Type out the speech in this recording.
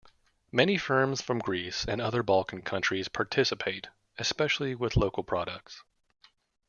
Many firms from Greece and other Balkan countries participate, especially with local products.